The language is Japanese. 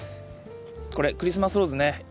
これクリスマスローズね